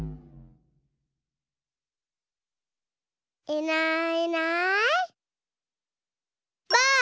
いないいないばあっ！